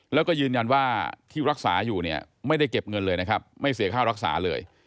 แล้วก็ยืนยันว่าที่รักษาอยู่เนี่ยไม่ได้เก็บเงินเลยนะครับไม่เสียค่ารักษาเลย